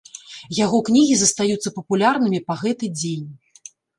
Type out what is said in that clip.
Яго кнігі застаюцца папулярнымі па гэты дзень.